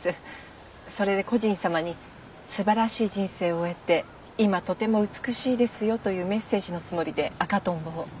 それで故人さまに「素晴らしい人生を終えて今とても美しいですよ」というメッセージのつもりで赤トンボを。